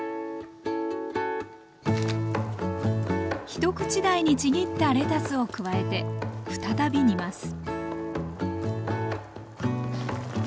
一口大にちぎったレタスを加えて再び煮ます